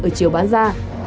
ở chiều bán ra